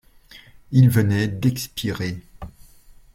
Il venait d’expirer.